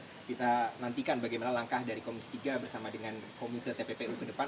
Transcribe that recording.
kita nantikan bagaimana langkah dari komisi tiga bersama dengan komite tppu ke depan